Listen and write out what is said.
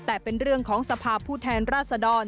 แต่เป็นเรื่องของสภาพผู้แทนราษดร